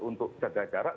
untuk jaga jarak